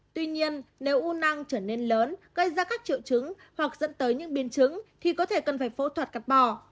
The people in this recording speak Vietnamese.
tuy nhiên nếu u năng trở nên lớn gây ra các triệu trứng hoặc dẫn tới những biên trứng thì có thể cần phải phẫu thuật cắt bò